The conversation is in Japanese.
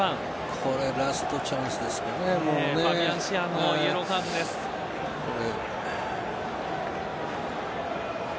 これラストチャンスですかね、これ。